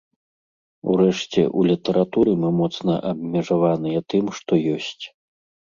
Урэшце, у літаратуры мы моцна абмежаваныя тым, што ёсць.